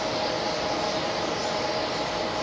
ต้องเติมเนี่ย